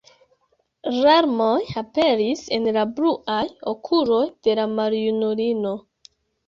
Larmoj aperis en la bluaj okuloj de la maljunulino.